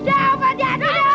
jangan mak jangan